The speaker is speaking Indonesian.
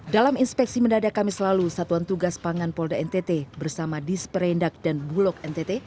dalam inspeksi mendadak kami selalu satuan tugas pangan polda ntt bersama disperindak dan bulog ntt